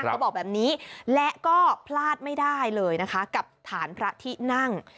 เขาบอกแบบนี้และก็พลาดไม่ได้เลยนะคะกับฐานพระที่นั่ง